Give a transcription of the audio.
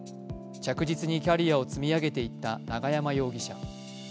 着実にキャリアを積み上げていった永山容疑者。